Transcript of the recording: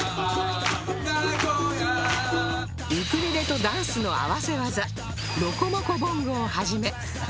ウクレレとダンスの合わせ技ロコモコボンゴ！を始め